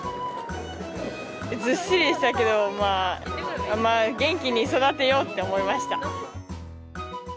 ずっしりしたけど、元気に育てよと思いました。